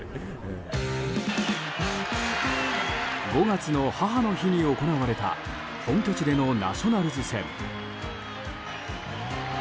５月の母の日に行われた本拠地でのナショナルズ戦。